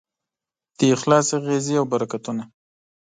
د اخلاص اغېزې او برکتونه